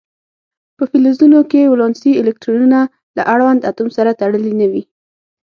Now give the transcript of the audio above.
په فلزونو کې ولانسي الکترونونه له اړوند اتوم سره تړلي نه وي.